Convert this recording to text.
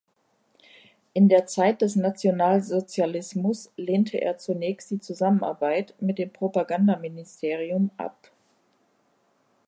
In der Zeit des Nationalsozialismus lehnte er zunächst die Zusammenarbeit mit dem Propagandaministerium ab.